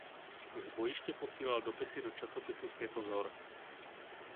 Z bojiště posílal dopisy do časopisu Světozor.